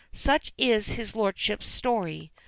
Such is his lordship's story.